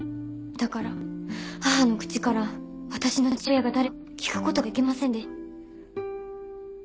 だから母の口から私の父親が誰か聞く事ができませんでした。